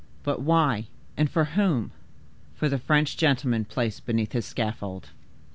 But why and for whom?" "For the French gentleman placed beneath his scaffold."